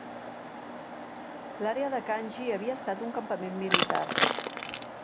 L'àrea de Kanji havia estat un campament militar.